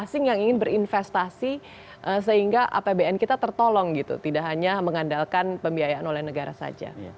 asing yang ingin berinvestasi sehingga apbn kita tertolong gitu tidak hanya mengandalkan pembiayaan oleh negara saja